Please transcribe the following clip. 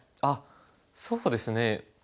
あっそうですね。